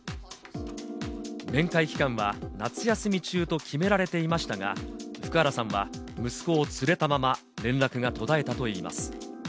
面会期間は夏休み中と決められていましたが、福原さんは息子を連れたまま連絡が途絶えたといいます。